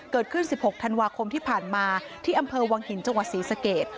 ๑๖ธันวาคมที่ผ่านมาที่อำเภอวังหินจังหวัดศรีสเกต